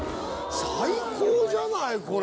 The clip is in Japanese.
最高じゃないこれ。